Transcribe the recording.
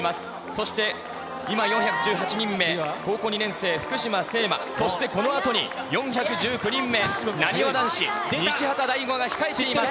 そして今４１８人目、高校２年生、福島誠真、そしてこのあとに４１９人目、なにわ男子・西畑大吾が控えています。